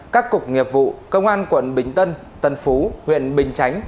các cục nghiệp vụ công an quận bình tân tân phú huyện bình chánh